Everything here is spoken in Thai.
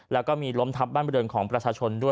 แล้วก็มีล้มทับบ้านบริเวณของประชาชนด้วย